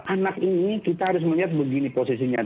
anak ini kita harus melihat begini posisinya